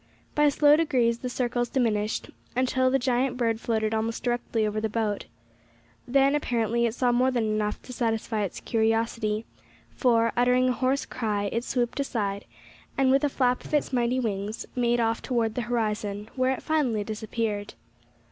By slow degrees the circles diminished, until the giant bird floated almost directly over the boat. Then, apparently, it saw more than enough to satisfy its curiosity, for, uttering a hoarse cry, it swooped aside, and, with a flap of its mighty wings, made off towards the horizon, where it finally disappeared.